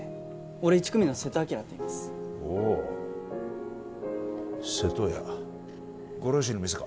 俺１組の瀬戸輝っていいますおお瀬戸屋ご両親の店か？